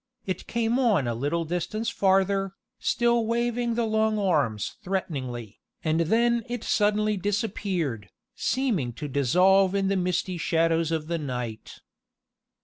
It came on a little distance farther, still waving the long arms threateningly, and then it suddenly disappeared, seeming to dissolve in the misty shadows of the night.